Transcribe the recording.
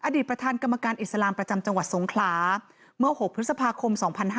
ประธานกรรมการอิสลามประจำจังหวัดสงขลาเมื่อ๖พฤษภาคม๒๕๕๙